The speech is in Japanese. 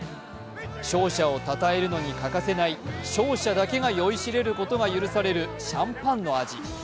勝者をたたえるのに欠かせない勝者だけが酔いしれることが許されるシャンパンの味。